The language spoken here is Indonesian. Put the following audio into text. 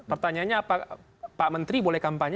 pertanyaannya pak menteri boleh kampanye